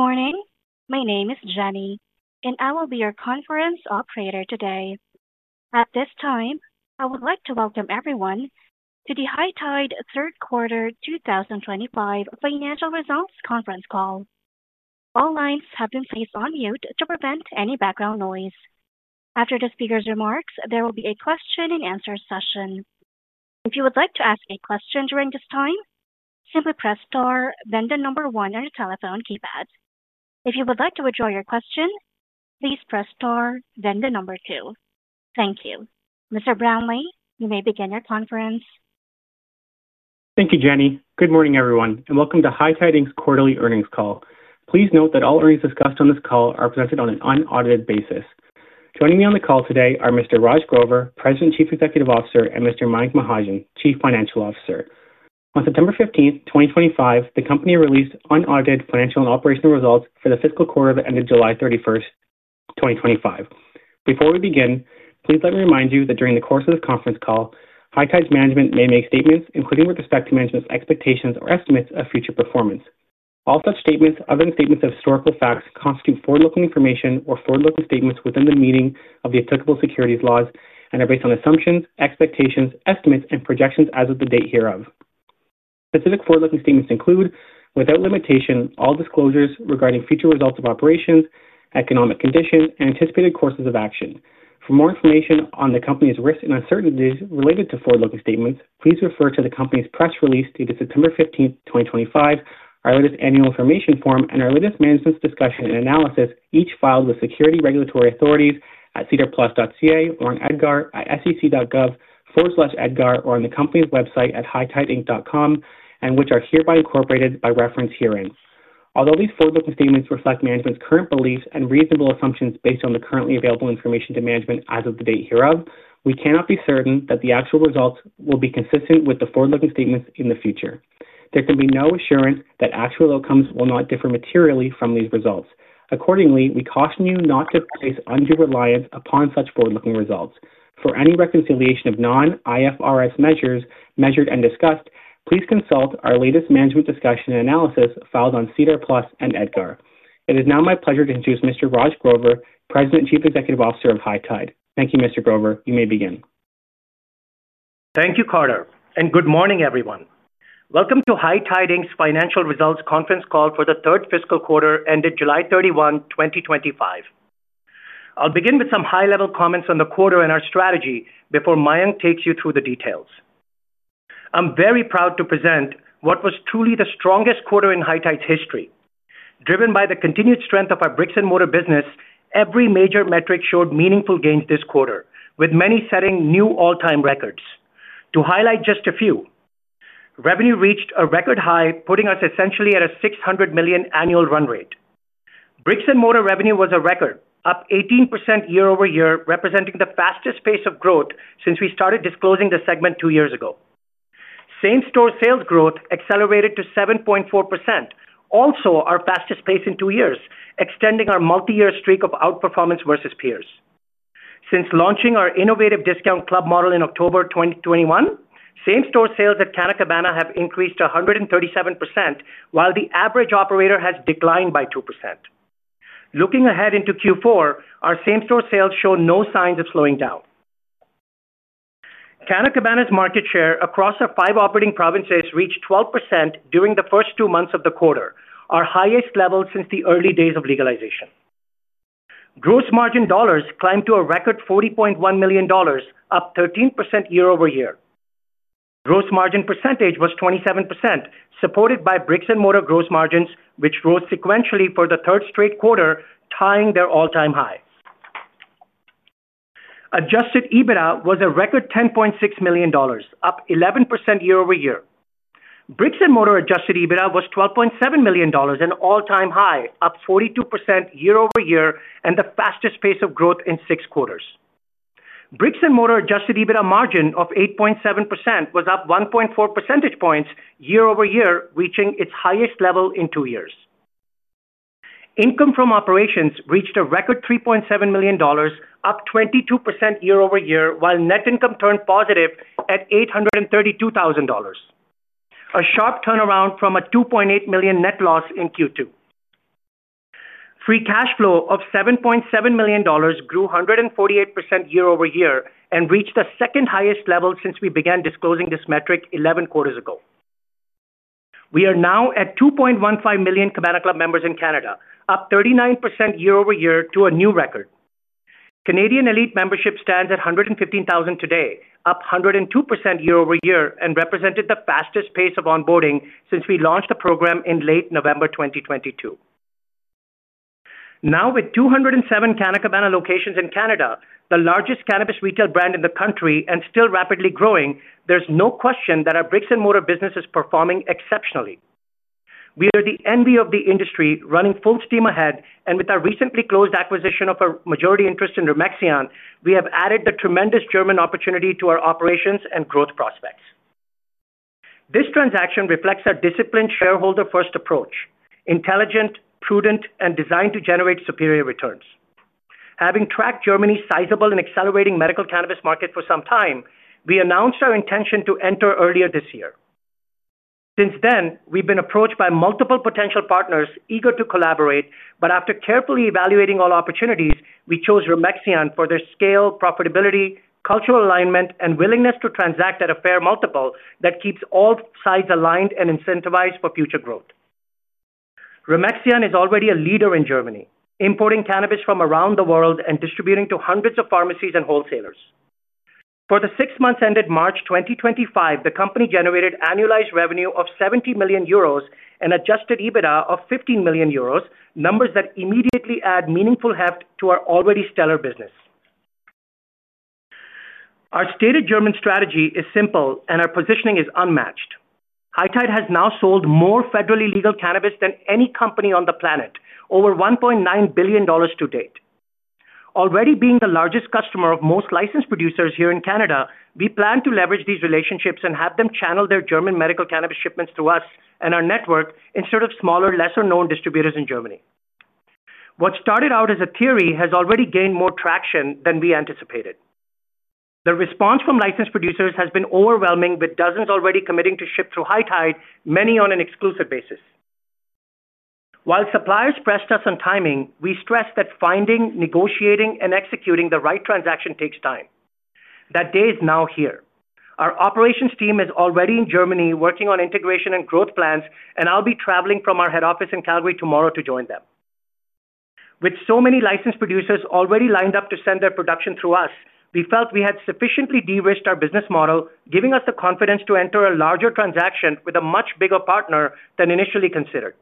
Good morning. My name is Jenny, and I will be your conference operator today. At this time, I would like to welcome everyone to the High Tide Third Quarter 2025 Financial Results Conference Call. All lines have been placed on mute to prevent any background noise. After the speaker's remarks, there will be a question and answer session. If you would like to ask a question during this time, simply press star, then the number one on your telephone keypad. If you would like to withdraw your question, please press star, then the number two. Thank you. Mr. Brownlee, you may begin your conference. Thank you, Jenny. Good morning, everyone, and welcome to High Tide Inc.'s quarterly earnings call. Please note that all earnings discussed on this call are presented on an unaudited basis. Joining me on the call today are Mr. Raj Grover, President, Chief Executive Officer, and Mr. Mayank Mahajan, Chief Financial Officer. On September 15, 2025, the company released unaudited financial and operational results for the fiscal quarter that ended July 31, 2025. Before we begin, please let me remind you that during the course of this conference call, High Tide's management may make statements including with respect to management's expectations or estimates of future performance. All such statements, other than statements of historical facts, constitute forward-looking information or forward-looking statements within the meaning of the applicable securities laws and are based on assumptions, expectations, estimates, and projections as of the date hereof. Specific forward-looking statements include, without limitation, all disclosures regarding future results of operations, economic condition, and anticipated courses of action. For more information on the company's risks and uncertainties related to forward-looking statements, please refer to the company's press release dated September 15, 2025, our latest annual information form, and our latest management's discussion and analysis, each filed with security regulatory authorities at cedarplus.ca or on edgar@sec.gov/edgar or on the company's website at hightideinc.com, and which are hereby incorporated by reference herein. Although these forward-looking statements reflect management's current beliefs and reasonable assumptions based on the currently available information to management as of the date hereof, we cannot be certain that the actual results will be consistent with the forward-looking statements in the future. There can be no assurance that actual outcomes will not differ materially from these results. Accordingly, we caution you not to place undue reliance upon such forward-looking results. For any reconciliation of non-IFRS measures measured and discussed, please consult our latest management discussion and analysis filed on Cedar Plus and Edgar. It is now my pleasure to introduce Mr. Raj Grover, President, Chief Executive Officer of High Tide. Thank you, Mr. Grover. You may begin. Thank you, Carter, and good morning, everyone. Welcome to High Tide Inc.'s financial results conference call for the third fiscal quarter ended July 31, 2023. I'll begin with some high-level comments on the quarter and our strategy before Mayank takes you through the details. I'm very proud to present what was truly the strongest quarter in High Tide's history. Driven by the continued strength of our bricks-and-mortar business, every major metric showed meaningful gains this quarter, with many setting new all-time records. To highlight just a few, revenue reached a record high, putting us essentially at a $600 million annual run rate. Bricks-and-mortar revenue was a record, up 18% year over year, representing the fastest pace of growth since we started disclosing the segment two years ago. Same-store sales growth accelerated to 7.4%, also our fastest pace in two years, extending our multi-year streak of outperformance versus peers. Since launching our innovative discount club model in October 2021, same-store sales at Canna Cabana have increased 137%, while the average operator has declined by 2%. Looking ahead into Q4, our same-store sales show no signs of slowing down. Canna Cabana's market share across our five operating provinces reached 12% during the first two months of the quarter, our highest level since the early days of legalization. Gross margin dollars climbed to a record $40.1 million, up 13% year over year. Gross margin percentage was 27%, supported by bricks-and-mortar gross margins, which rose sequentially for the third straight quarter, tying their all-time high. Adjusted EBITDA was a record $10.6 million, up 11% year over year. Bricks-and-mortar adjusted EBITDA was $12.7 million, an all-time high, up 42% year over year, and the fastest pace of growth in six quarters. Bricks-and-mortar adjusted EBITDA margin of 8.7% was up 1.4 percentage points year over year, reaching its highest level in two years. Income from operations reached a record $3.7 million, up 22% year over year, while net income turned positive at $832,000. A sharp turnaround from a $2.8 million net loss in Q2. Free cash flow of $7.7 million grew 148% year over year and reached the second highest level since we began disclosing this metric 11 quarters ago. We are now at 2.15 million Cabana Club members in Canada, up 39% year over year to a new record. Canadian ELITE membership stands at 115,000 today, up 102% year over year and represented the fastest pace of onboarding since we launched the program in late November 2022. Now, with 207 Canna Cabana locations in Canada, the largest cannabis retail brand in the country and still rapidly growing, there's no question that our brick-and-mortar business is performing exceptionally. We are the envy of the industry, running full steam ahead, and with our recently closed acquisition of a majority interest in Remexian, we have added the tremendous German opportunity to our operations and growth prospects. This transaction reflects our disciplined shareholder-first approach, intelligent, prudent, and designed to generate superior returns. Having tracked Germany's sizable and accelerating medical cannabis market for some time, we announced our intention to enter earlier this year. Since then, we've been approached by multiple potential partners eager to collaborate, but after carefully evaluating all opportunities, we chose Remexian for their scale, profitability, cultural alignment, and willingness to transact at a fair multiple that keeps all sides aligned and incentivized for future growth. Remexian is already a leader in Germany, importing cannabis from around the world and distributing to hundreds of pharmacies and wholesalers. For the six months ended March 2025, the company generated annualized revenue of €70 million and adjusted EBITDA of €15 million, numbers that immediately add meaningful heft to our already stellar business. Our stated German strategy is simple, and our positioning is unmatched. High Tide has now sold more federally legal cannabis than any company on the planet, over $1.9 billion to date. Already being the largest customer of most licensed producers here in Canada, we plan to leverage these relationships and have them channel their German medical cannabis shipments through us and our network instead of smaller, lesser-known distributors in Germany. What started out as a theory has already gained more traction than we anticipated. The response from licensed producers has been overwhelming, with dozens already committing to ship through High Tide, many on an exclusive basis. While suppliers pressed us on timing, we stressed that finding, negotiating, and executing the right transaction takes time. That day is now here. Our operations team is already in Germany working on integration and growth plans, and I'll be traveling from our head office in Calgary tomorrow to join them. With so many licensed producers already lined up to send their production through us, we felt we had sufficiently de-risked our business model, giving us the confidence to enter a larger transaction with a much bigger partner than initially considered.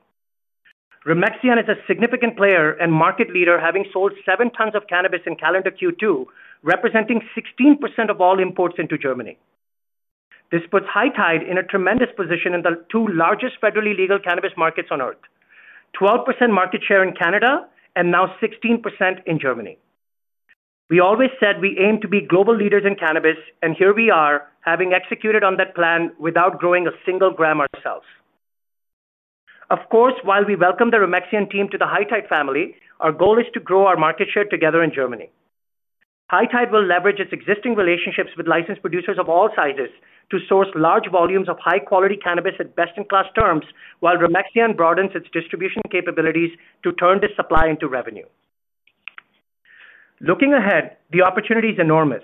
Remexian is a significant player and market leader, having sold seven tons of cannabis in calendar Q2, representing 16% of all imports into Germany. This puts High Tide in a tremendous position in the two largest federally legal cannabis markets on Earth: 12% market share in Canada and now 16% in Germany. We always said we aimed to be global leaders in cannabis, and here we are, having executed on that plan without growing a single gram ourselves. Of course, while we welcome the Remexian team to the High Tide family, our goal is to grow our market share together in Germany. High Tide will leverage its existing relationships with licensed producers of all sizes to source large volumes of high-quality cannabis at best-in-class terms, while Remexian broadens its distribution capabilities to turn this supply into revenue. Looking ahead, the opportunity is enormous.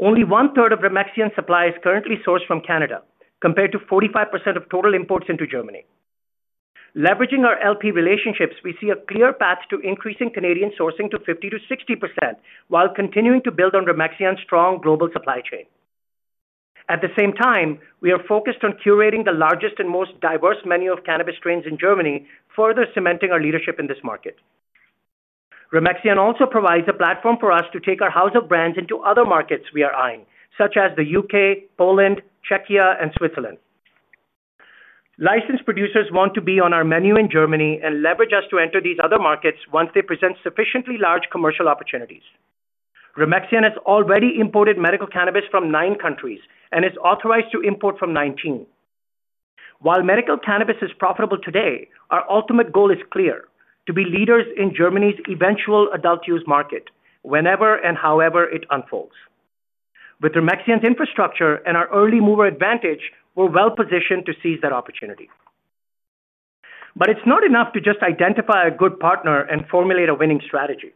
Only one-third of Remexian's supply is currently sourced from Canada, compared to 45% of total imports into Germany. Leveraging our LP relationships, we see a clear path to increasing Canadian sourcing to 50% to 60% while continuing to build on Remexian's strong global supply chain. At the same time, we are focused on curating the largest and most diverse menu of cannabis strains in Germany, further cementing our leadership in this market. Remexian also provides a platform for us to take our house of brands into other markets we are eyeing, such as the UK, Poland, Czechia, and Switzerland. Licensed producers want to be on our menu in Germany and leverage us to enter these other markets once they present sufficiently large commercial opportunities. Remexian has already imported medical cannabis from nine countries and is authorized to import from 19. While medical cannabis is profitable today, our ultimate goal is clear: to be leaders in Germany's eventual adult-use market, whenever and however it unfolds. With Remexian's infrastructure and our early-mover advantage, we're well positioned to seize that opportunity. It is not enough to just identify a good partner and formulate a winning strategy.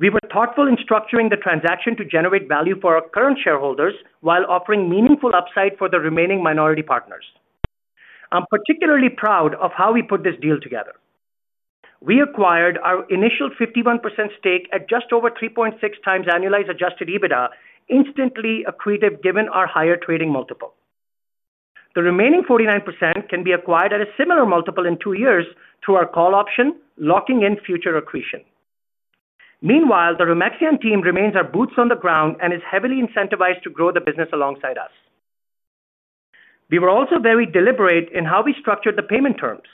We were thoughtful in structuring the transaction to generate value for our current shareholders while offering meaningful upside for the remaining minority partners. I'm particularly proud of how we put this deal together. We acquired our initial 51% stake at just over 3.6 times annualized adjusted EBITDA, instantly accretive given our higher trading multiple. The remaining 49% can be acquired at a similar multiple in two years through our call option, locking in future accretion. Meanwhile, the Remexian team remains our boots on the ground and is heavily incentivized to grow the business alongside us. We were also very deliberate in how we structured the payment terms.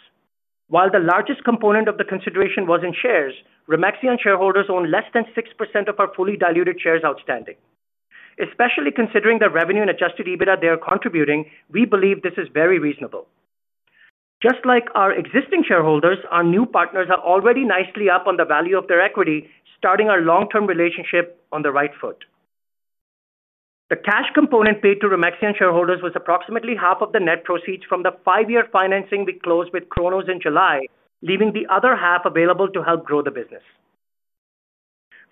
While the largest component of the consideration was in shares, Remexian shareholders own less than 6% of our fully diluted shares outstanding. Especially considering the revenue and adjusted EBITDA they are contributing, we believe this is very reasonable. Just like our existing shareholders, our new partners are already nicely up on the value of their equity, starting our long-term relationship on the right foot. The cash component paid to Remexian shareholders was approximately half of the net proceeds from the five-year financing we closed with Kronos in July, leaving the other half available to help grow the business.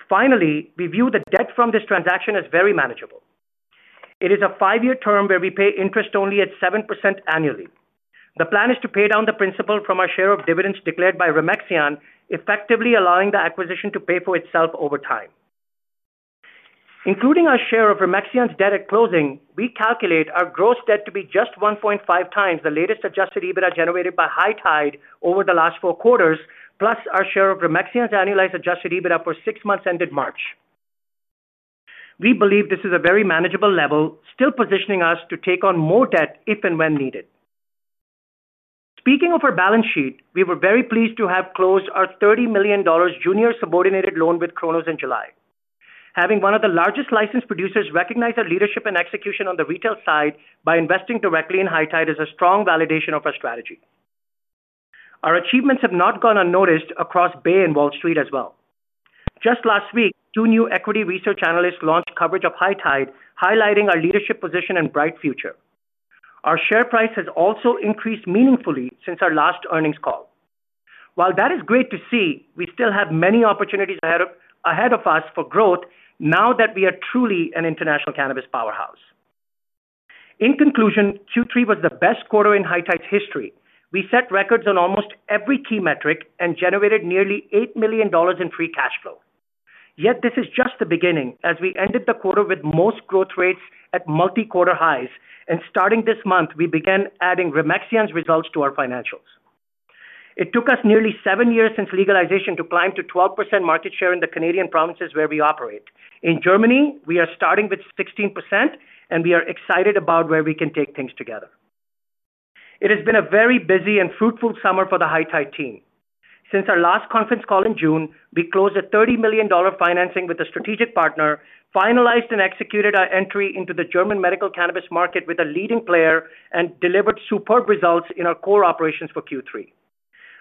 Finally, we view the debt from this transaction as very manageable. It is a five-year term where we pay interest only at 7% annually. The plan is to pay down the principal from our share of dividends declared by Remexian, effectively allowing the acquisition to pay for itself over time. Including our share of Remexian's debt at closing, we calculate our gross debt to be just 1.5 times the latest adjusted EBITDA generated by High Tide over the last four quarters, plus our share of Remexian's annualized adjusted EBITDA for six months ended March. We believe this is a very manageable level, still positioning us to take on more debt if and when needed. Speaking of our balance sheet, we were very pleased to have closed our $30 million junior subordinated loan with Kronos in July. Having one of the largest licensed producers recognize our leadership and execution on the retail side by investing directly in High Tide is a strong validation of our strategy. Our achievements have not gone unnoticed across Bay and Wall Street as well. Just last week, two new equity research analysts launched coverage of High Tide, highlighting our leadership position and bright future. Our share price has also increased meaningfully since our last earnings call. While that is great to see, we still have many opportunities ahead of us for growth now that we are truly an international cannabis powerhouse. In conclusion, Q3 was the best quarter in High Tide's history. We set records on almost every key metric and generated nearly $8 million in free cash flow. Yet this is just the beginning, as we ended the quarter with most growth rates at multi-quarter highs, and starting this month, we began adding Remexian's results to our financials. It took us nearly seven years since legalization to climb to 12% market share in the Canadian provinces where we operate. In Germany, we are starting with 16%, and we are excited about where we can take things together. It has been a very busy and fruitful summer for the High Tide team. Since our last conference call in June, we closed a $30 million financing with a strategic partner, finalized and executed our entry into the German medical cannabis market with a leading player and delivered superb results in our core operations for Q3.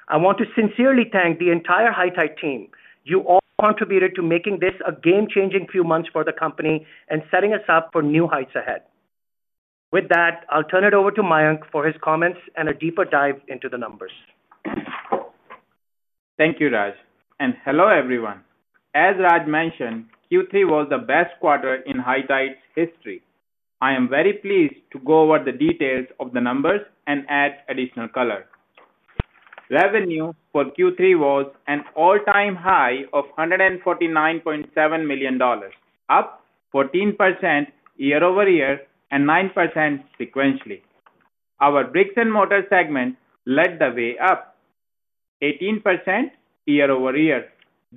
I want to sincerely thank the entire High Tide team. You all contributed to making this a game-changing few months for the company and setting us up for new heights ahead. With that, I'll turn it over to Mayank for his comments and a deeper dive into the numbers. Thank you, Raj, and hello, everyone. As Raj mentioned, Q3 was the best quarter in High Tide's history. I am very pleased to go over the details of the numbers and add additional color. Revenue for Q3 was an all-time high of $149.7 million, up 14% year over year and 9% sequentially. Our bricks-and-mortar segment led the way, up 18% year over year,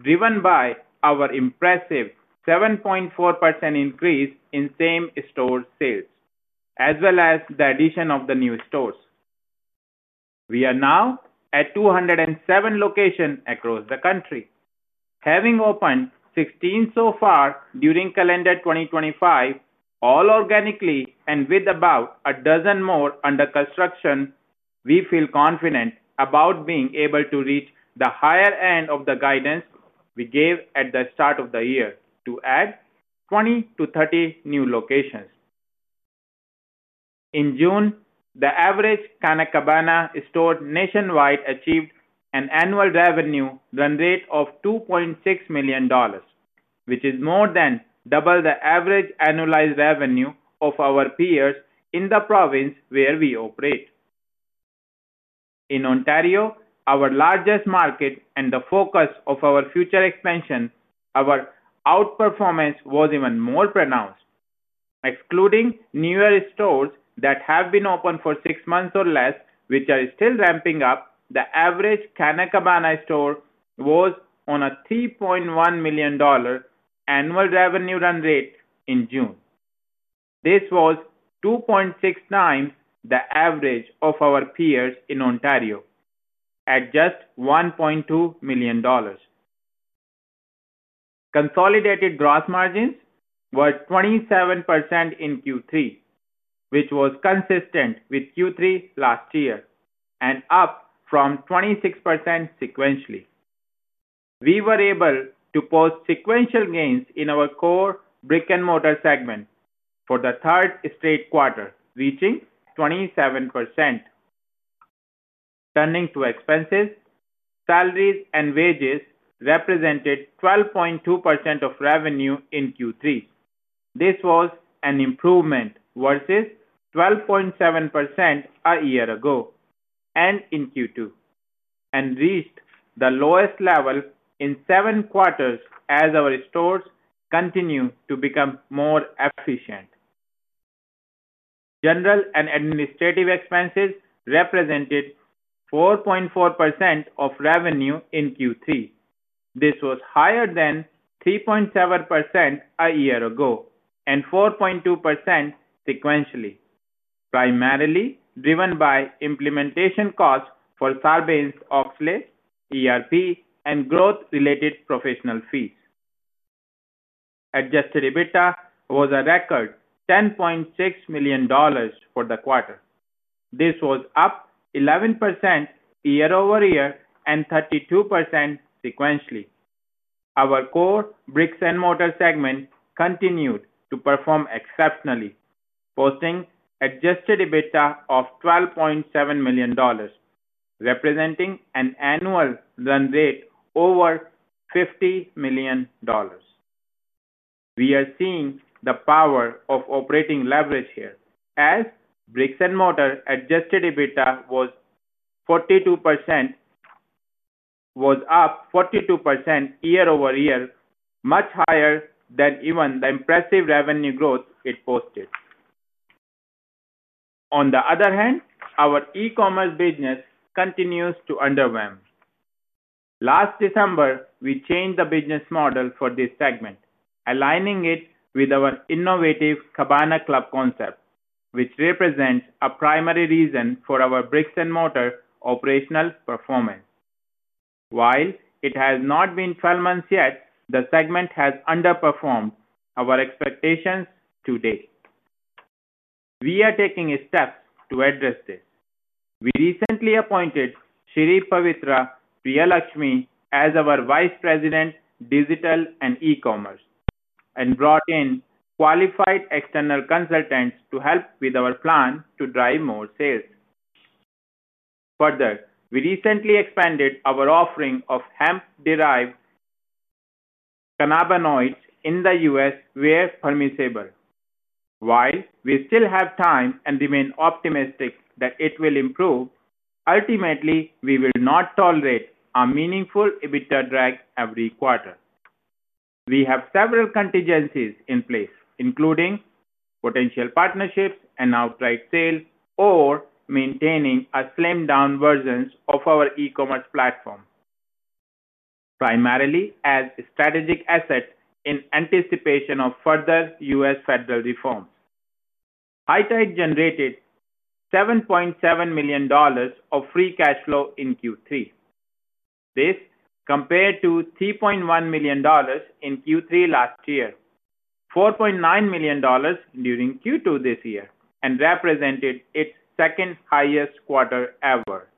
driven by our impressive 7.4% increase in same-store sales, as well as the addition of the new stores. We are now at 207 locations across the country, having opened 16 so far during calendar 2024, all organically and with about a dozen more under construction. We feel confident about being able to reach the higher end of the guidance we gave at the start of the year to add 20 to 30 new locations. In June, the average Canna Cabana store nationwide achieved an annual revenue run rate of $2.6 million, which is more than double the average annualized revenue of our peers in the province where we operate. In Ontario, our largest market and the focus of our future expansion, our outperformance was even more pronounced. Excluding newer stores that have been open for six months or less, which are still ramping up, the average Canna Cabana store was on a $3.1 million annual revenue run rate in June. This was 2.6 times the average of our peers in Ontario at just $1.2 million. Consolidated gross margins were 27% in Q3, which was consistent with Q3 last year and up from 26% sequentially. We were able to post sequential gains in our core bricks-and-mortar segment for the third straight quarter, reaching 27%. Turning to expenses, salaries and wages represented 12.2% of revenue in Q3. This was an improvement versus 12.7% a year ago and in Q2 and reached the lowest levels in seven quarters as our stores continue to become more efficient. General and administrative expenses represented 4.4% of revenue in Q3. This was higher than 3.7% a year ago and 4.2% sequentially, primarily driven by implementation costs for Sardine's Oxlate, ERP, and growth-related professional fees. Adjusted EBITDA was a record $10.6 million for the quarter. This was up 11% year over year and 32% sequentially. Our core bricks-and-mortar segment continued to perform exceptionally, posting an adjusted EBITDA of $12.7 million, representing an annual run rate over $50 million. We are seeing the power of operating leverage here, as bricks-and-mortar adjusted EBITDA was up 42% year over year, much higher than even the impressive revenue growth it posted. On the other hand, our e-commerce business continues to underwhelm. Last December, we changed the business model for this segment, aligning it with our innovative Cabana Club concept, which represents a primary reason for our bricks-and-mortar operational performance. While it has not been 12 months yet, the segment has underperformed our expectations to date. We are taking steps to address this. We recently appointed Sri Pavitra Priyalakshmi as our Vice President, Digital and E-commerce, and brought in qualified external consultants to help with our plan to drive more sales. Further, we recently expanded our offering of hemp-derived cannabinoids in the U.S., where permissible. While we still have time and remain optimistic that it will improve, ultimately, we will not tolerate a meaningful EBITDA drag every quarter. We have several contingencies in place, including potential partnerships and outright sale or maintaining a slimmed-down version of our e-commerce platform, primarily as a strategic asset in anticipation of further U.S. federal reform. High Tide generated $7.7 million of free cash flow in Q3. This compared to $3.1 million in Q3 last year, $4.9 million during Q2 this year, and represented its second highest quarter ever.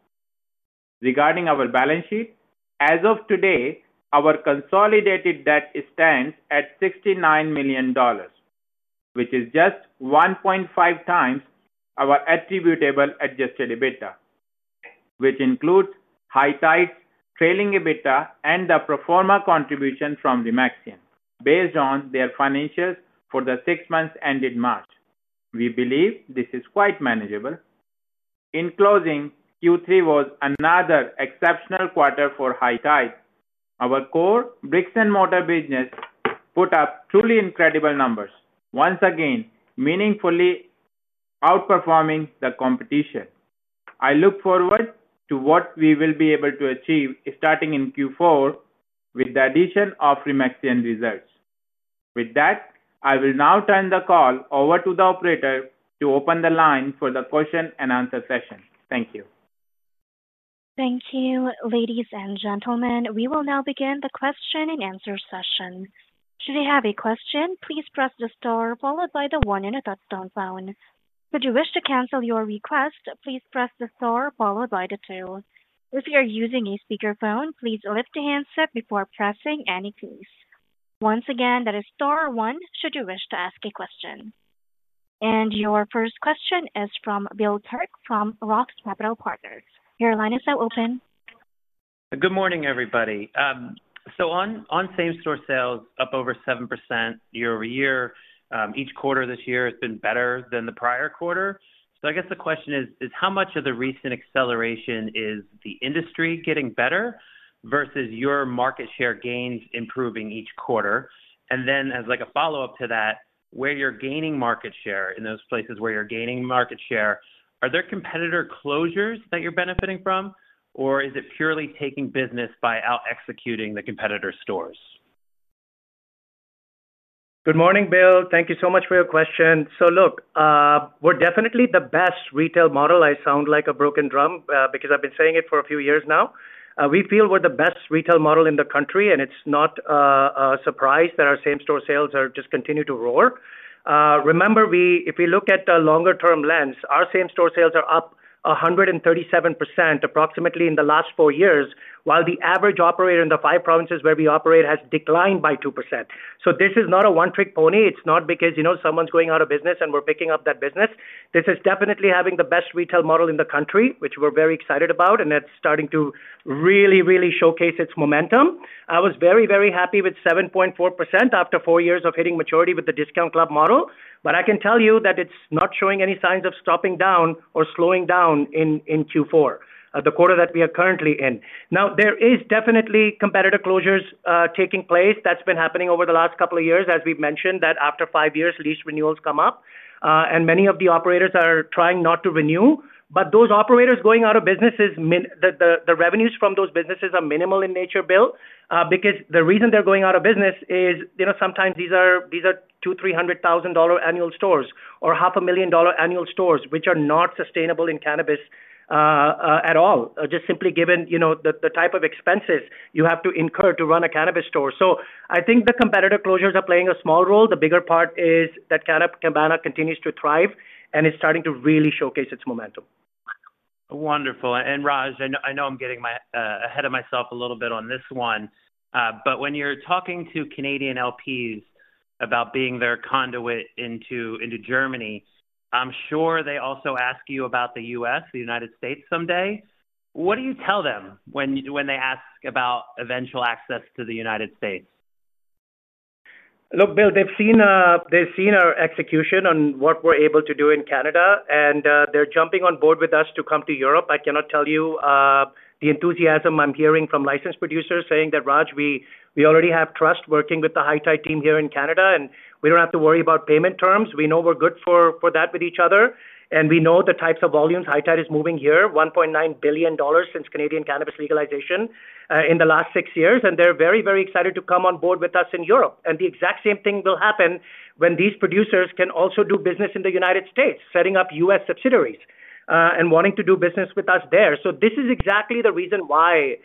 Regarding our balance sheet, as of today, our consolidated debt stands at $69 million, which is just 1.5 times our attributable adjusted EBITDA, which includes High Tide's trailing EBITDA and the pro forma contribution from Remexian based on their financials for the six months ended March. We believe this is quite manageable. In closing, Q3 was another exceptional quarter for High Tide. Our core bricks-and-mortar business put up truly incredible numbers, once again meaningfully outperforming the competition. I look forward to what we will be able to achieve starting in Q4 with the addition of Remexian results. With that, I will now turn the call over to the operator to open the line for the question and answer session. Thank you. Thank you, ladies and gentlemen. We will now begin the question and answer session. Should you have a question, please press the star followed by the one on your touchtone phone. Should you wish to cancel your request, please press the star followed by the two. If you are using a speakerphone, please lift your handset before pressing any keys. Once again, that is star one should you wish to ask a question. Your first question is from William Joseph Kirk from ROTH Capital Partners. Your line is now open. Good morning, everybody. On same-store sales, up over 7% year over year, each quarter this year has been better than the prior quarter. I guess the question is, how much of the recent acceleration is the industry getting better versus your market share gains improving each quarter? As a follow-up to that, where you're gaining market share in those places where you're gaining market share, are there competitor closures that you're benefiting from, or is it purely taking business by out-executing the competitor stores? Good morning, Bill. Thank you so much for your question. Look, we're definitely the best retail model. I sound like a broken drum because I've been saying it for a few years now. We feel we're the best retail model in the country, and it's not a surprise that our same-store sales just continue to roar. Remember, if we look at a longer-term lens, our same-store sales are up 137% approximately in the last four years, while the average operator in the five provinces where we operate has declined by 2%. This is not a one-trick pony. It's not because someone's going out of business and we're picking up that business. This is definitely having the best retail model in the country, which we're very excited about, and it's starting to really, really showcase its momentum. I was very, very happy with 7.4% after four years of hitting maturity with the discount club model. I can tell you that it's not showing any signs of stopping down or slowing down in Q4, the quarter that we are currently in. There are definitely competitor closures taking place. That's been happening over the last couple of years, as we've mentioned, that after five years, lease renewals come up, and many of the operators are trying not to renew. Those operators going out of business, the revenues from those businesses are minimal in nature, Bill, because the reason they're going out of business is sometimes these are $200,000, $300,000 annual stores or half a million dollar annual stores, which are not sustainable in cannabis at all, just simply given the type of expenses you have to incur to run a cannabis store. I think the competitor closures are playing a small role. The bigger part is that Cabana continues to thrive and is starting to really showcase its momentum. Wonderful. Raj, I know I'm getting ahead of myself a little bit on this one, but when you're talking to Canadian licensed producers about being their conduit into Germany, I'm sure they also ask you about the U.S., the United States someday. What do you tell them when they ask about eventual access to the United States? Look, Bill, they've seen our execution on what we're able to do in Canada, and they're jumping on board with us to come to Europe. I cannot tell you the enthusiasm I'm hearing from licensed producers saying that, Raj, we already have trust working with the High Tide team here in Canada, and we don't have to worry about payment terms. We know we're good for that with each other, and we know the types of volumes High Tide is moving here: $1.9 billion since Canadian cannabis legalization in the last six years, and they're very, very excited to come on board with us in Europe. The exact same thing will happen when these producers can also do business in the U.S., setting up U.S. subsidiaries and wanting to do business with us there. This is exactly the reason why,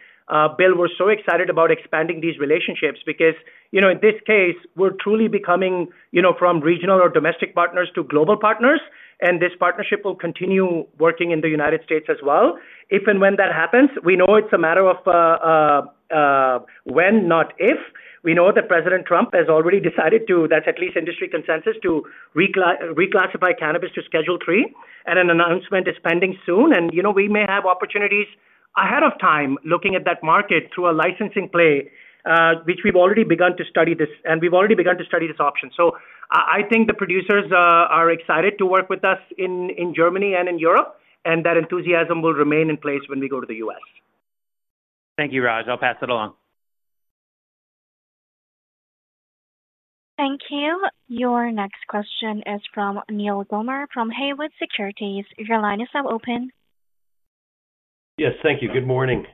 Bill, we're so excited about expanding these relationships because in this case, we're truly becoming from regional or domestic partners to global partners, and this partnership will continue working in the U.S. as well. If and when that happens, we know it's a matter of when, not if. We know that President Trump has already decided to, that's at least industry consensus, to reclassify cannabis to Schedule III, and an announcement is pending soon. We may have opportunities ahead of time looking at that market through a licensing play, which we've already begun to study this, and we've already begun to study this option. I think the producers are excited to work with us in Germany and in Europe, and that enthusiasm will remain in place when we go to the U.S. Thank you, Raj. I'll pass it along. Thank you. Your next question is from Neil Gomer from Haywood Securities. Your line is now open. Yes, thank you. Good morning.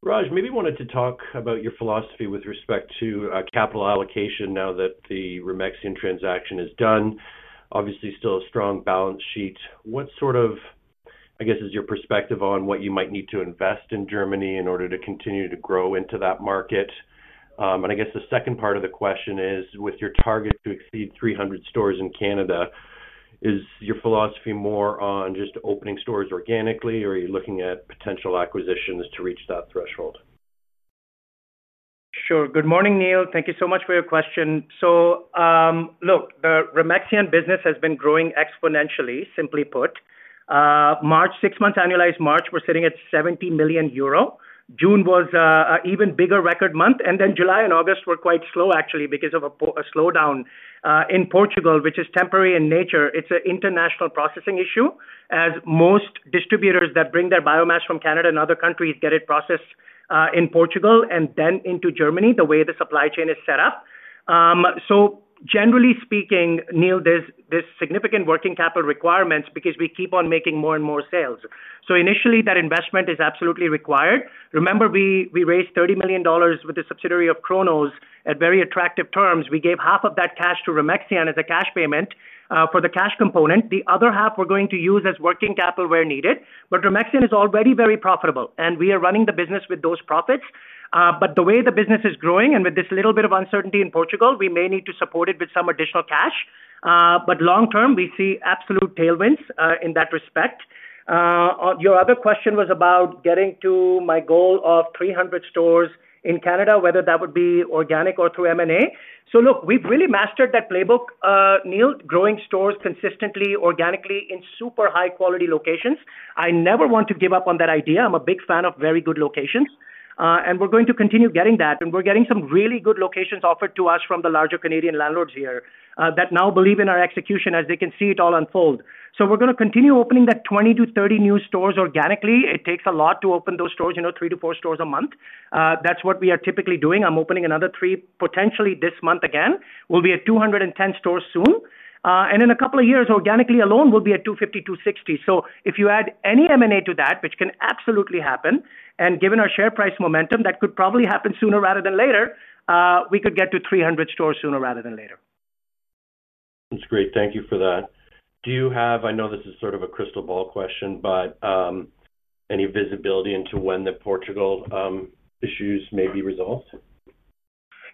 Raj, maybe you wanted to talk about your philosophy with respect to capital allocation now that the Remexian transaction is done. Obviously, still a strong balance sheet. What sort of, I guess, is your perspective on what you might need to invest in Germany in order to continue to grow into that market? The second part of the question is, with your target to exceed 300 stores in Canada, is your philosophy more on just opening stores organically, or are you looking at potential acquisitions to reach that threshold? Sure. Good morning, Neil. Thank you so much for your question. Look, the Remexian business has been growing exponentially, simply put. March, six months annualized March, we're sitting at €70 million. June was an even bigger record month, and July and August were quite slow, actually, because of a slowdown in Portugal, which is temporary in nature. It's an international processing issue, as most distributors that bring their biomass from Canada and other countries get it processed in Portugal and then into Germany, the way the supply chain is set up. Generally speaking, Neil, there are significant working capital requirements because we keep on making more and more sales. Initially, that investment is absolutely required. Remember, we raised $30 million with a subsidiary of Kronos at very attractive terms. We gave half of that cash to Remexian as a cash payment for the cash component. The other half we're going to use as working capital where needed. Remexian is already very profitable, and we are running the business with those profits. The way the business is growing and with this little bit of uncertainty in Portugal, we may need to support it with some additional cash. Long term, we see absolute tailwinds in that respect. Your other question was about getting to my goal of 300 stores in Canada, whether that would be organic or through M&A. We've really mastered that playbook, Neil, growing stores consistently, organically, in super high-quality locations. I never want to give up on that idea. I'm a big fan of very good locations. We're going to continue getting that. We're getting some really good locations offered to us from the larger Canadian landlords here that now believe in our execution, as they can see it all unfold. We're going to continue opening that 20 to 30 new stores organically. It takes a lot to open those stores, three to four stores a month. That's what we are typically doing. I'm opening another three, potentially this month again. We'll be at 210 stores soon. In a couple of years, organically alone, we'll be at 250, 260. If you add any M&A to that, which can absolutely happen, and given our share price momentum, that could probably happen sooner rather than later, we could get to 300 stores sooner rather than later. That's great. Thank you for that. Do you have, I know this is sort of a crystal ball question, but any visibility into when the Portugal issues may be resolved?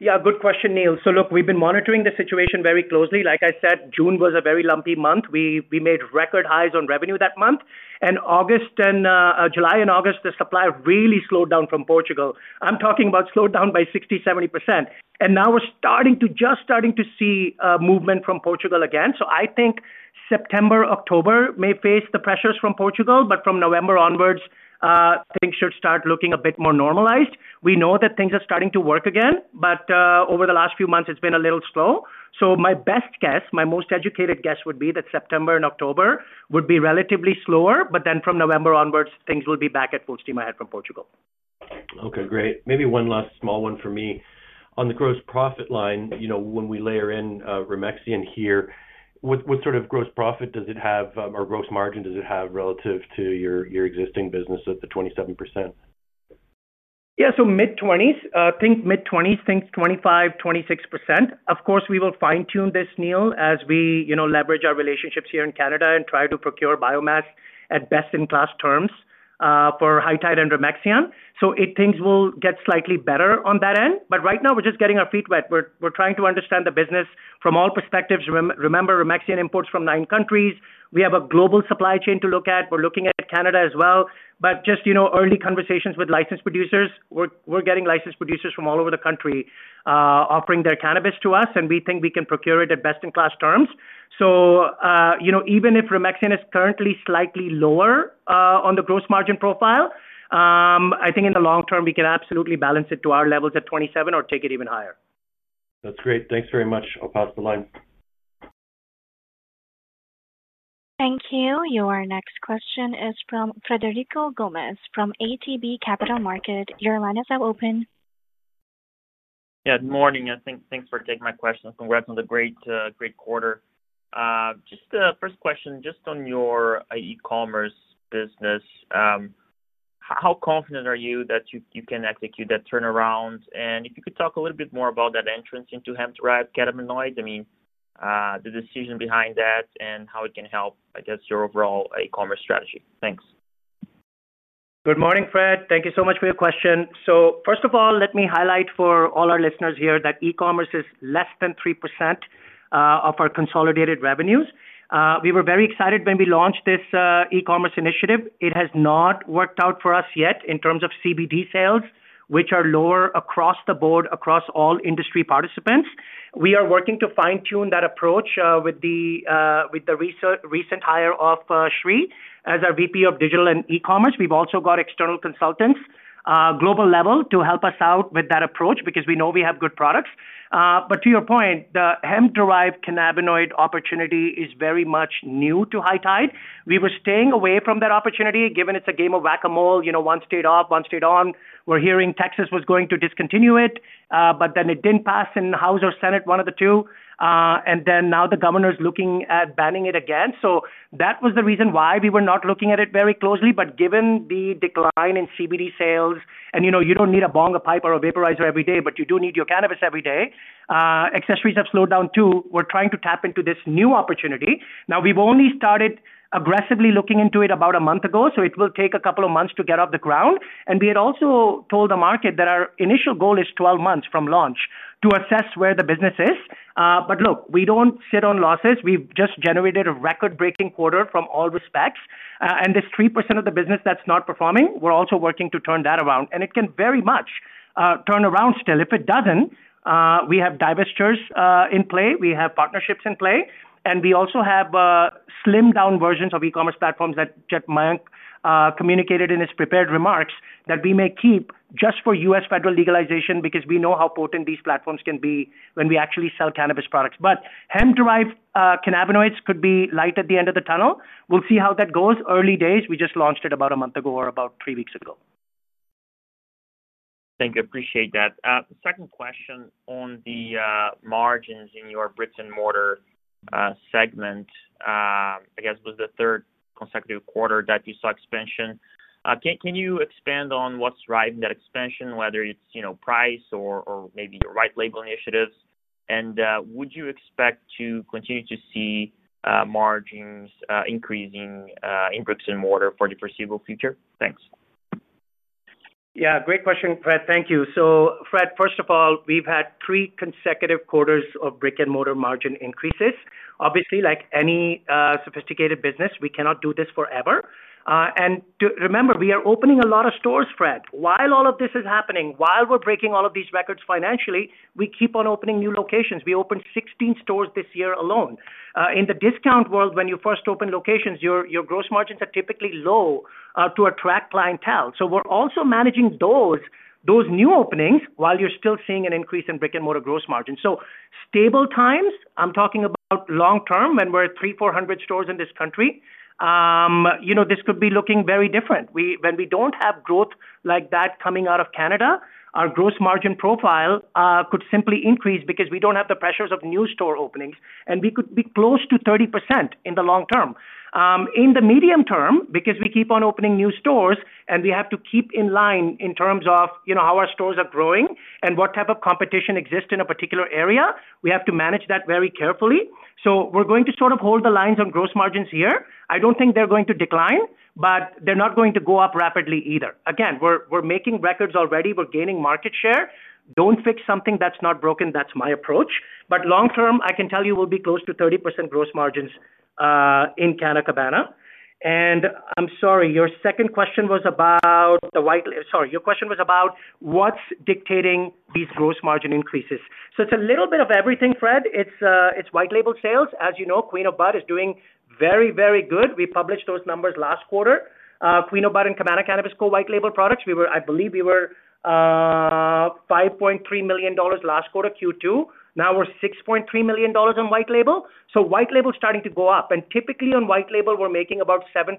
Yeah, good question, Neil. Look, we've been monitoring the situation very closely. Like I said, June was a very lumpy month. We made record highs on revenue that month. In July and August, the supply really slowed down from Portugal. I'm talking about slowed down by 60%, 70%. Now we're just starting to see movement from Portugal again. I think September, October may face the pressures from Portugal, but from November onwards, things should start looking a bit more normalized. We know that things are starting to work again, but over the last few months, it's been a little slow. My best guess, my most educated guess would be that September and October would be relatively slower, but then from November onwards, things will be back at full steam ahead from Portugal. OK, great. Maybe one last small one for me. On the gross profit line, you know when we layer in Remexian here, what sort of gross profit does it have, or gross margin does it have relative to your existing business at the 27%? Yeah, so mid 20s, I think mid 20s, think 25%, 26%. Of course, we will fine-tune this, Neil, as we leverage our relationships here in Canada and try to procure biomass at best-in-class terms for High Tide and Remexian. I think we'll get slightly better on that end. Right now, we're just getting our feet wet. We're trying to understand the business from all perspectives. Remember, Remexian imports from nine countries. We have a global supply chain to look at. We're looking at Canada as well. Just early conversations with licensed producers, we're getting licensed producers from all over the country offering their cannabis to us, and we think we can procure it at best-in-class terms. Even if Remexian is currently slightly lower on the gross margin profile, I think in the long term, we can absolutely balance it to our levels at 27% or take it even higher. That's great. Thanks very much. I'll pause the line. Thank you. Your next question is from Frederico Yokota Choucair Gomes from ATB Capital Markets Inc. Your line is now open. Good morning. Thanks for taking my question. Congrats on the great quarter. Just the first question, on your e-commerce business, how confident are you that you can execute that turnaround? If you could talk a little bit more about that entrance into hemp-derived cannabinoids, the decision behind that and how it can help your overall e-commerce strategy. Thanks. Good morning, Fred. Thank you so much for your question. First of all, let me highlight for all our listeners here that e-commerce is less than 3% of our consolidated revenues. We were very excited when we launched this e-commerce initiative. It has not worked out for us yet in terms of CBD sales, which are lower across the board, across all industry participants. We are working to fine-tune that approach with the recent hire of Sri as our VP of Digital and E-commerce. We've also got external consultants at a global level to help us out with that approach because we know we have good products. To your point, the hemp-derived cannabinoid opportunity is very much new to High Tide. We were staying away from that opportunity, given it's a game of whack-a-mole. You know, one state off, one state on. We're hearing Texas was going to discontinue it, but then it didn't pass in the House or Senate, one of the two. Now the governor is looking at banning it again. That was the reason why we were not looking at it very closely. Given the decline in CBD sales, and you know, you don't need a bonga, pipe, or a vaporizer every day, but you do need your cannabis every day. Accessories have slowed down too. We're trying to tap into this new opportunity. We've only started aggressively looking into it about a month ago, so it will take a couple of months to get off the ground. We had also told the market that our initial goal is 12 months from launch to assess where the business is. Look, we don't sit on losses. We've just generated a record-breaking quarter from all respects. This 3% of the business that's not performing, we're also working to turn that around. It can very much turn around still. If it doesn't, we have divestors in play. We have partnerships in play. We also have slimmed-down versions of e-commerce platforms that Mayank communicated in his prepared remarks that we may keep just for U.S. federal legalization because we know how potent these platforms can be when we actually sell cannabis products. Hemp-derived cannabinoids could be light at the end of the tunnel. We'll see how that goes. Early days, we just launched it about a month ago or about three weeks ago. Thank you. Appreciate that. Second question on the margins in your bricks-and-mortar segment. I guess it was the third consecutive quarter that you saw expansion. Can you expand on what's driving that expansion, whether it's price or maybe your white label initiatives? Would you expect to continue to see margins increasing in bricks-and-mortar for the foreseeable future? Thanks. Yeah, great question, Fred. Thank you. So Fred, first of all, we've had three consecutive quarters of brick-and-mortar margin increases. Obviously, like any sophisticated business, we cannot do this forever. Remember, we are opening a lot of stores, Fred. While all of this is happening, while we're breaking all of these records financially, we keep on opening new locations. We opened 16 stores this year alone. In the discount world, when you first open locations, your gross margins are typically low to attract clientele. We are also managing those new openings while you're still seeing an increase in brick-and-mortar gross margins. In stable times, I'm talking about long term, when we're at 300, 400 stores in this country, this could be looking very different. When we don't have growth like that coming out of Canada, our gross margin profile could simply increase because we don't have the pressures of new store openings, and we could be close to 30% in the long term. In the medium term, because we keep on opening new stores and we have to keep in line in terms of how our stores are growing and what type of competition exists in a particular area, we have to manage that very carefully. We are going to sort of hold the lines on gross margins here. I don't think they're going to decline, but they're not going to go up rapidly either. Again, we're making records already. We're gaining market share. Don't fix something that's not broken. That's my approach. Long term, I can tell you we'll be close to 30% gross margins in Canna Cabana. I'm sorry, your second question was about the white label... Sorry, your question was about what's dictating these gross margin increases. It's a little bit of everything, Fred. It's white label sales. As you know, Queen O’Bud is doing very, very good. We published those numbers last quarter. Queen O’Bud and Cabana Cannabis Co. white label products, I believe we were $5.3 million last quarter Q2. Now we're $6.3 million on white label. White label is starting to go up. Typically on white label, we're making about 7%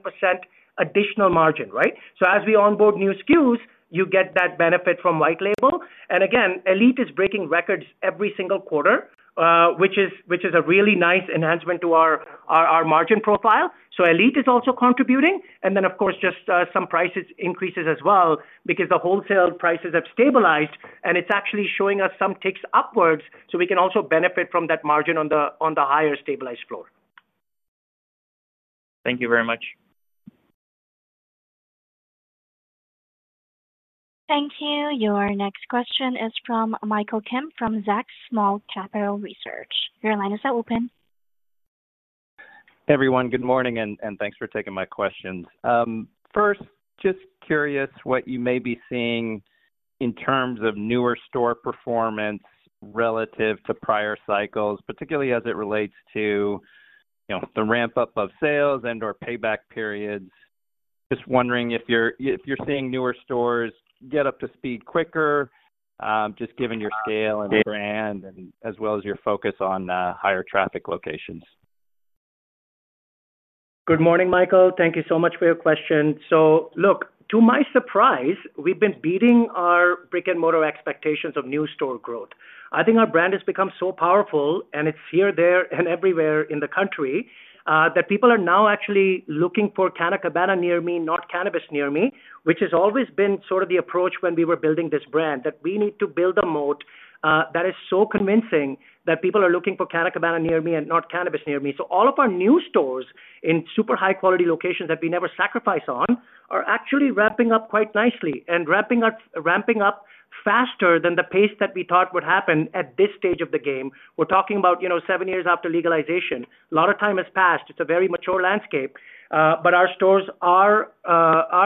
additional margin, right? As we onboard new SKUs, you get that benefit from white label. Again, ELITE is breaking records every single quarter, which is a really nice enhancement to our margin profile. ELITE is also contributing. Of course, just some price increases as well because the wholesale prices have stabilized, and it's actually showing us some ticks upwards. We can also benefit from that margin on the higher stabilized floor. Thank you very much. Thank you. Your next question is from Michael Kim from Zacks Small Capital Research. Your line is now open. Hey, everyone. Good morning, and thanks for taking my question. First, just curious what you may be seeing in terms of newer store performance relative to prior cycles, particularly as it relates to the ramp-up of sales and/or payback periods. Just wondering if you're seeing newer stores get up to speed quicker, just given your scale and brand as well as your focus on higher traffic locations. Good morning, Michael. Thank you so much for your question. To my surprise, we've been beating our brick-and-mortar expectations of new store growth. I think our brand has become so powerful, and it's here, there, and everywhere in the country that people are now actually looking for Canna Cabana near me, not cannabis near me, which has always been sort of the approach when we were building this brand, that we need to build a moat that is so convincing that people are looking for Canna Cabana near me and not cannabis near me. All of our new stores in super high-quality locations that we never sacrifice on are actually ramping up quite nicely and ramping up faster than the pace that we thought would happen at this stage of the game. We're talking about seven years after legalization. A lot of time has passed. It's a very mature landscape. Our stores are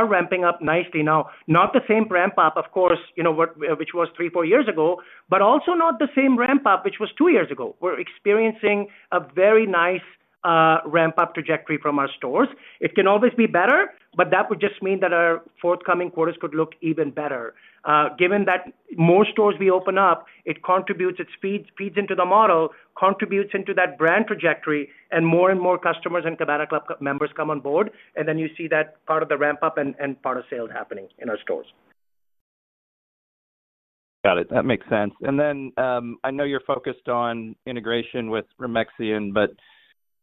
ramping up nicely now, not the same ramp-up, of course, which was three, four years ago, but also not the same ramp-up which was two years ago. We're experiencing a very nice ramp-up trajectory from our stores. It can always be better, but that would just mean that our forthcoming quarters could look even better. Given that more stores we open up, it contributes, it feeds into the model, contributes into that brand trajectory, and more and more customers and Cabana Club members come on board. You see that part of the ramp-up and part of sales happening in our stores. Got it. That makes sense. I know you're focused on integration with Remexian, but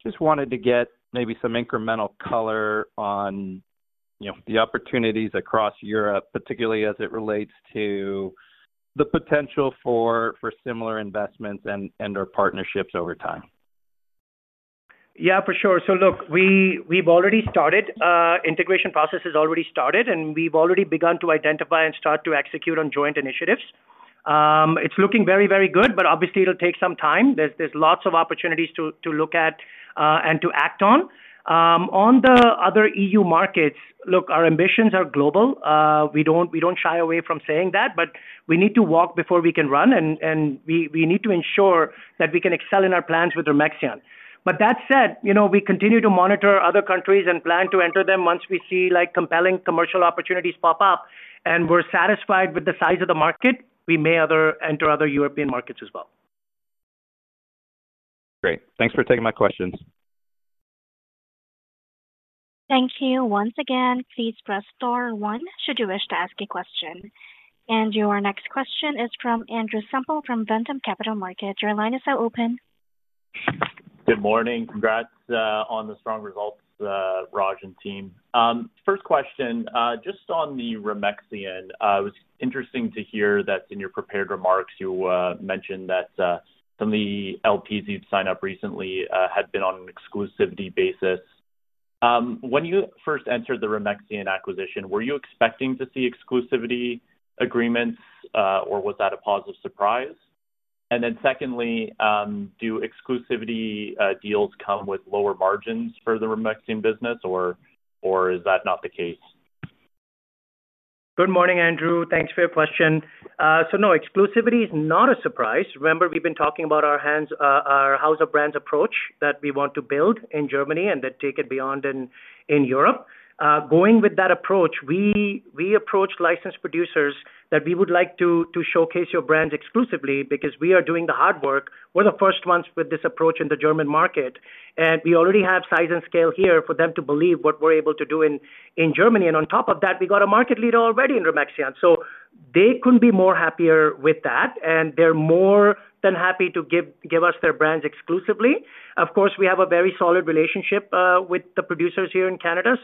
just wanted to get maybe some incremental color on the opportunities across Europe, particularly as it relates to the potential for similar investments and/or partnerships over time. Yeah, for sure. Look, we've already started. Integration process has already started, and we've already begun to identify and start to execute on joint initiatives. It's looking very, very good, but obviously, it'll take some time. There are lots of opportunities to look at and to act on. On the other EU markets, our ambitions are global. We don't shy away from saying that, but we need to walk before we can run, and we need to ensure that we can excel in our plans with Remexian. That said, we continue to monitor other countries and plan to enter them once we see compelling commercial opportunities pop up. We're satisfied with the size of the market. We may enter other European markets as well. Great. Thanks for taking my questions. Thank you. Once again, please press star one should you wish to ask a question. Your next question is from Andrew Semple from ATB Capital Markets Inc. Your line is now open. Good morning. Congrats on the strong results, Raj and team. First question, just on the Remexian, it was interesting to hear that in your prepared remarks, you mentioned that some of the LPs you've signed up recently had been on an exclusivity basis. When you first entered the Remexian acquisition, were you expecting to see exclusivity agreements, or was that a positive surprise? Secondly, do exclusivity deals come with lower margins for the Remexian business, or is that not the case? Good morning, Andrew. Thanks for your question. No, exclusivity is not a surprise. Remember, we've been talking about our house-of-brands approach that we want to build in Germany and then take it beyond in Europe. Going with that approach, we approached licensed producers that we would like to showcase your brands exclusively because we are doing the hard work. We're the first ones with this approach in the German market. We already have size and scale here for them to believe what we're able to do in Germany. On top of that, we got a market leader already in Remexian. They couldn't be more happier with that, and they're more than happy to give us their brands exclusively. Of course, we have a very solid relationship with the producers here in Canada.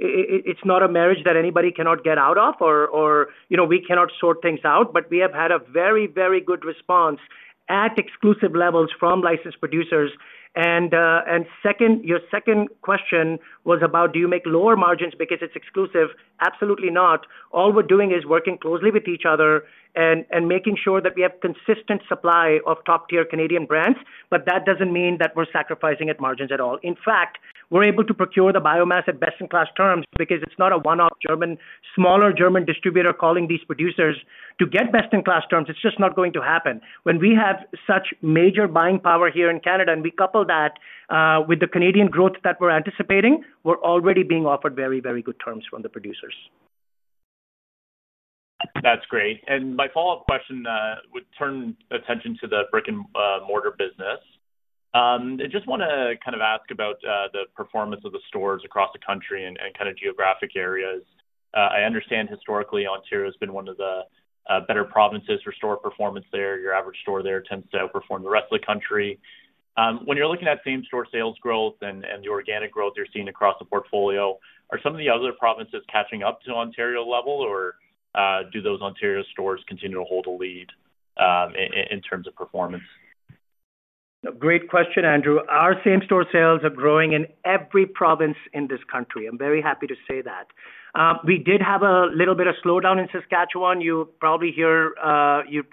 It's not a marriage that anybody cannot get out of, or we cannot sort things out. We have had a very, very good response at exclusive levels from licensed producers. Your second question was about, do you make lower margins because it's exclusive? Absolutely not. All we're doing is working closely with each other and making sure that we have consistent supply of top-tier Canadian brands. That doesn't mean that we're sacrificing at margins at all. In fact, we're able to procure the biomass at best-in-class terms because it's not a one-off smaller, German distributor calling these producers to get best-in-class terms. It's just not going to happen. When we have such major buying power here in Canada, and we couple that with the Canadian growth that we're anticipating, we're already being offered very, very good terms from the producers. That's great. My follow-up question would turn attention to the brick-and-mortar business. I just want to ask about the performance of the stores across the country and geographic areas. I understand historically, Ontario has been one of the better provinces for store performance there. Your average store there tends to outperform the rest of the country. When you're looking at same-store sales growth and the organic growth you're seeing across the portfolio, are some of the other provinces catching up to Ontario level, or do those Ontario stores continue to hold a lead in terms of performance? Great question, Andrew. Our same-store sales are growing in every province in this country. I'm very happy to say that. We did have a little bit of slowdown in Saskatchewan. You probably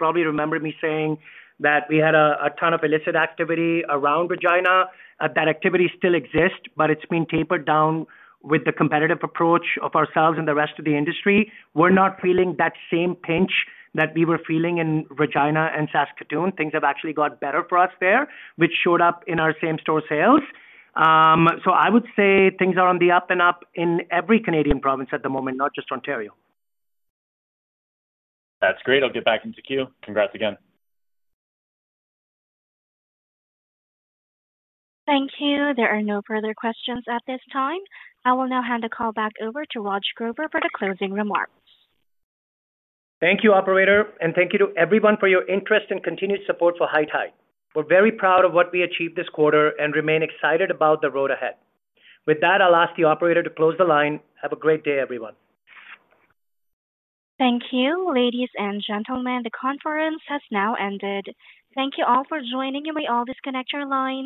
remember me saying that we had a ton of illicit activity around Regina. That activity still exists, but it's been tapered down with the competitive approach of ourselves and the rest of the industry. We're not feeling that same pinch that we were feeling in Regina and Saskatoon. Things have actually got better for us there, which showed up in our same-store sales. I would say things are on the up and up in every Canadian province at the moment, not just Ontario. That's great. I'll get back into queue. Congrats again. Thank you. There are no further questions at this time. I will now hand the call back over to Raj Grover for the closing remarks. Thank you, operator, and thank you to everyone for your interest and continued support for High Tide. We're very proud of what we achieved this quarter and remain excited about the road ahead. With that, I'll ask the operator to close the line. Have a great day, everyone. Thank you, ladies and gentlemen. The conference has now ended. Thank you all for joining, and you may all disconnect your lines.